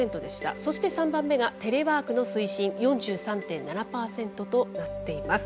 そして３番目が「テレワークの推進」４３．７％となっています。